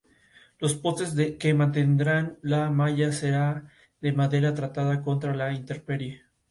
Los postes que mantendrán la malla será de madera tratada contra la intemperie.